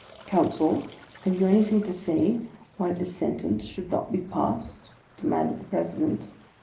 " Counsel, have you anything to say why this sentence should not be passed? " demanded the President.